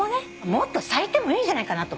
もっと咲いてもいいんじゃないかなと思って。